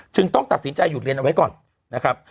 ต้องตัดสินใจหยุดเรียนเอาไว้ก่อนนะครับ